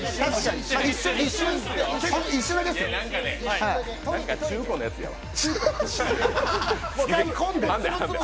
何か中古のやつやわ。